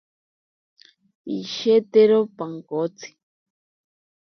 Pishetero pankotsi.